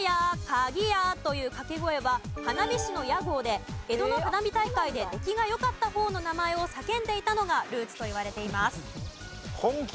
「かぎや」という掛け声は花火師の屋号で江戸の花火大会で出来が良かった方の名前を叫んでいたのがルーツといわれています。